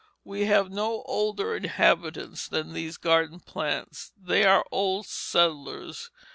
We have no older inhabitants than these garden plants; they are old settlers.